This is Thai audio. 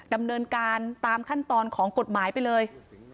ดำเนินการตามขั้นตอนของกฎหมายไปเลย